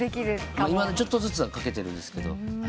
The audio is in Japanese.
いまだちょっとずつは掛けてるんですけど。